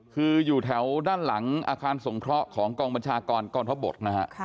คืออยู่แถวด้านหลังอาคารสงเคราะห์ของกองบัญชากรกองทบกนะฮะ